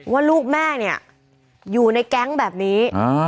ว่าลูกแม่เนี่ยอยู่ในแก๊งแบบนี้